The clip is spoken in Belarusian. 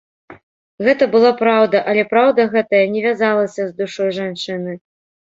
Гэта была праўда, але праўда гэтая не вязалася з душой жанчыны.